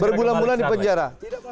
berbulan bulan di penjara